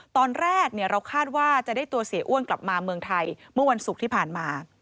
ตอนแรกเราคาดว่าจะได้ตัวเสียอ้วนกลับมาเมืองไทยเมื่อวันศุกร์ที่ผ่านมา